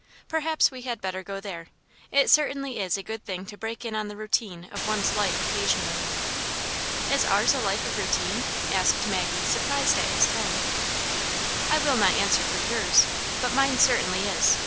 Perhaps we had better go there. It certainly is a good thing to break in on the routine of one's life occasionally." "Is ours a life of routine?" asked Maggie, sur prised at his tone. " I will not answer for yours, but mine certainly is.